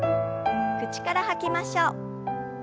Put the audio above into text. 口から吐きましょう。